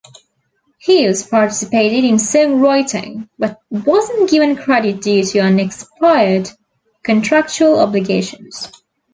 Hughes participated in song-writing, but wasn't given credit due to unexpired contractual obligations.